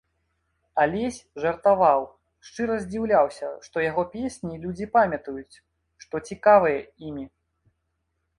Алесь жартаваў, шчыра здзіўляўся, што яго песні людзі памятаюць, што цікавыя імі.